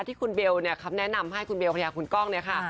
ที่คุณเบลแนะนำให้คุณเบลพยากรุงกล้องเนี่ยค่ะ